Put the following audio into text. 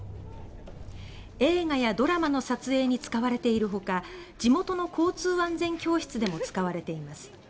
映画やドラマの撮影に使われているほか地元の交通安全教室でも使われています。